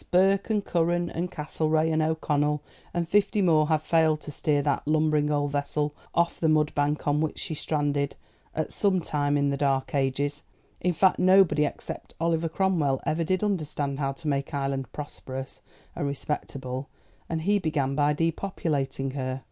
Burke, and Curran, and Castlereagh, and O'Connell, and fifty more have failed to steer that lumbering old vessel off the mudbank on which she stranded at some time in the dark ages; in fact, nobody except Oliver Cromwell ever did understand how to make Ireland prosperous and respectable, and he began by depopulating her.